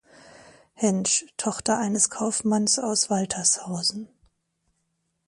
Hentsch, Tochter eines Kaufmannes aus Waltershausen.